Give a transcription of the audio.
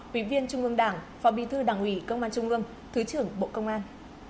quý viên trung ương đảng phó bị thư đảng ủy công an trung ương thứ trưởng bộ công an